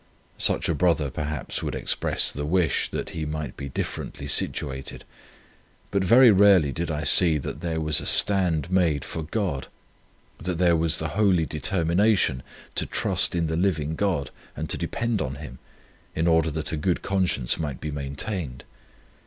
Such a brother, perhaps, would express the wish, that he might be differently situated; but very rarely did I see _that there was a stand made for God, that there was the holy determination to trust in the living God, and to depend on Him, in order that a good conscience might be maintained_.